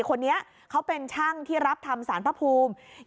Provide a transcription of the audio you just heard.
คนนี้เขาเป็นช่างที่รับทำสารพระภูมิ